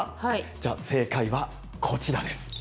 じゃあ、正解はこちらです。